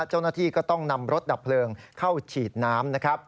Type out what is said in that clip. เจ้าหน้าที่ก็ต้องนำรถดับเพลิงเข้าฉีดน้ำนะครับ